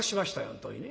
本当にね。